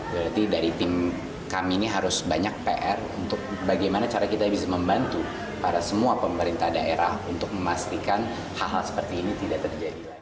berarti dari tim kami ini harus banyak pr untuk bagaimana cara kita bisa membantu para semua pemerintah daerah untuk memastikan hal hal seperti ini tidak terjadi lagi